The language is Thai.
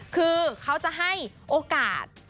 คือเขาจะให้โอกาส